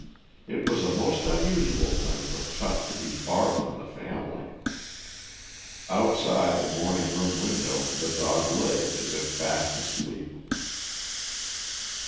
It was a most unusual thing for Tut to be far from the family. Outside the morning room window the dog lay as if fast asleep.